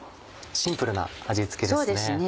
シンプルな味付けですね。